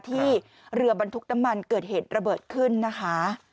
ที่เรือบรรทุกน้ำมันเกิดเหตุระเบิดขึ้นนะคะ